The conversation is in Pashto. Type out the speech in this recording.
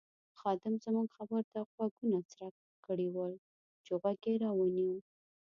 خادم زموږ خبرو ته غوږونه څرک کړي ول چې غوږ یې را ونیو.